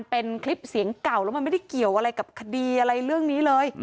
เป็นคลิปเสียงเก่าแล้วมันไม่ได้เกี่ยวอะไรกับคดีอะไรเรื่องนี้เลย